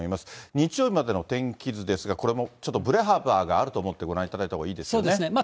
日曜日までの天気図ですが、これもちょっとぶれ幅があると思ってご覧いただいたほうがいいでそうですね。